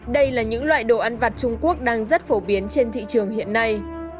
đây là những loại đồ ăn vặt trung quốc đang rất phổ biến trên thị trường hiện nay